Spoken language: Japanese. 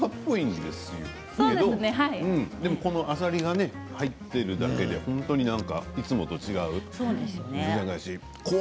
でもこのあさりが入っているだけでいつもと違ういう。